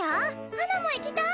はなも行きたい！